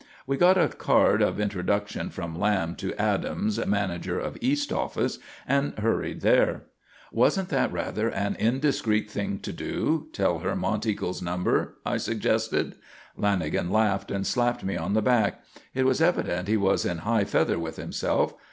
We got a card of introduction from Lamb to Adams, manager of east office, and hurried there. "Wasn't that rather an indiscreet thing to do, tell her Monteagle's number?" I suggested. Lanagan laughed and slapped me on the back. It was evident he was in high feather with himself.